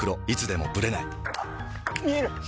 いつでもブレない見える！